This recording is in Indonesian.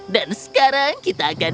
dan sekarang kita ganteng